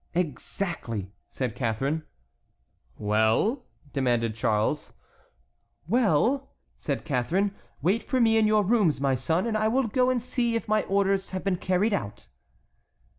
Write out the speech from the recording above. "Exactly," said Catharine. "Well?" demanded Charles. "Well," said Catharine, "wait for me in your rooms, my son, and I will go and see if my orders have been carried out."